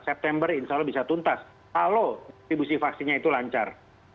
september insya allah bisa tuntas kalau distribusi vaksinnya itu lancar